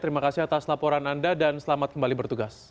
terima kasih atas laporan anda dan selamat kembali bertugas